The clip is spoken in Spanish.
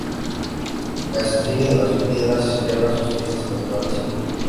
Castrillo de las Piedras celebra sus fiestas patronales en julio.